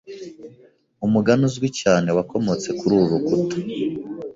Umugani uzwi cyane wakomotse kuri uru rukuta